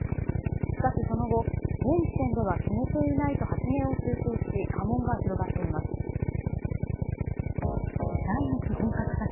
しかし、その後、現時点では決めていないと発言を修正し波紋が広がっています。